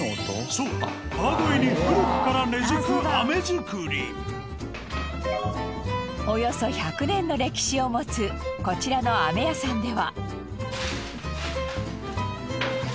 そう川越に古くから根付くおよそ１００年の歴史を持つこちらの飴屋さんでは。